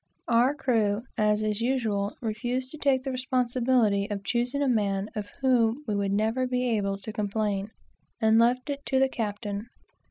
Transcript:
Our crew, as is usual, refused to take the responsibility of choosing a man of whom we would never be able to complain, and left it to the captain.